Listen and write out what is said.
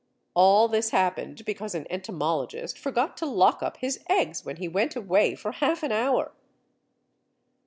All this happened because an entomologist forgot to lock up his eggs when he went away for half an hour!